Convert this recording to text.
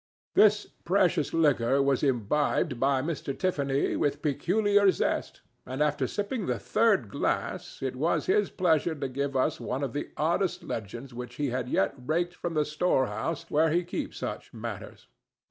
This precious liquor was imbibed by Mr. Tiffany with peculiar zest, and after sipping the third glass it was his pleasure to give us one of the oddest legends which he had yet raked from the storehouse where he keeps such matters.